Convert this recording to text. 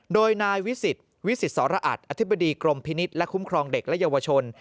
โดยนายวิสิตวิสิตสรอัตรอธิบดีกรมพินิษฐ์และคุ้มครองเด็กและเยาวชน